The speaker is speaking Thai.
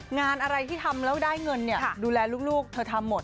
งานอะไรที่ทำแล้วได้เงินเนี่ยดูแลลูกเธอทำหมด